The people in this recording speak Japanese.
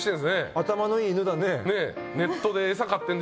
頭のいい犬だね。